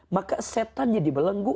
maka syetannya dibelenggu